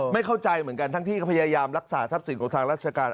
ไม่เข้าใจเหมือนกันทั้งที่พยายามรักษาทรัพย์สินของทางราชการ